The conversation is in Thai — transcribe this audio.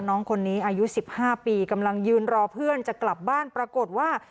น้องคนนี้อายุ๑๕ปีกำลังยืนรอเพื่อนจะกลับบ้านปรากฏว่า